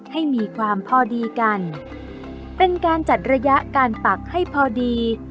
ให้มีความพอดีกันเป็นการจัดระยะการปักให้พอดี